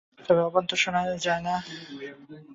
তবে অবান্তর শোনায় না।